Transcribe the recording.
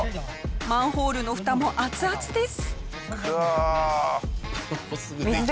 マンホールの蓋も熱々です。